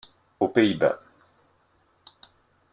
Aux Pays-Bas.